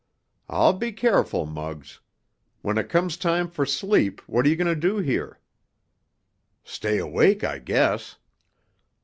"I'll be careful, Muggs. When it comes time for sleep what are you going to do here?" "Stay awake, I guess."